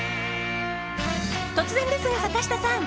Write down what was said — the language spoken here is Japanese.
突然ですが、坂下さん